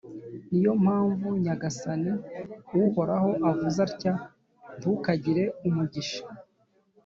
Ni yo mpamvu, Nyagasani Uhoraho avuze atya:ntukagire umugisha